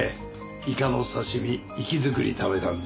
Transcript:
イカの刺身活き造り食べたんだ。